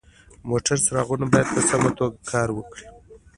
د موټر څراغونه باید په سمه توګه کار وکړي.